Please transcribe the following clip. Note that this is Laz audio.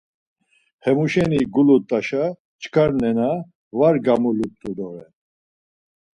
Hemuşeni gulut̆aşa çkar nena var gamulut̆u doren.